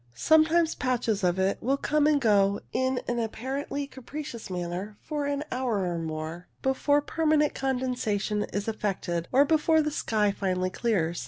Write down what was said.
Some times patches of it will come and go in an apparently capricious manner for an hour or more before per manent condensation is effected or before the sky finally clears.